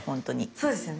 そうですよね。